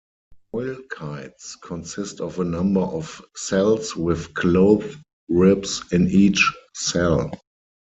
Foil kites consist of a number of cells with cloth ribs in each cell.